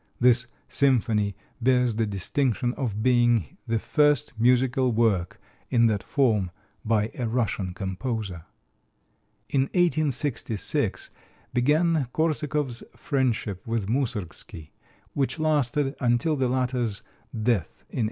This symphony bears the distinction of being the first musical work in that form by a Russian composer. In 1866 began Korsakov's friendship with Moussorgsky, which lasted until the latter's death in 1881.